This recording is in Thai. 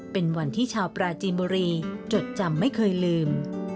เป็นวันที่ชาวปราจีนบุรีจดจำไม่เคยลืม